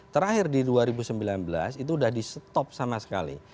terakhir di dua ribu sembilan belas itu sudah di stop sama sekali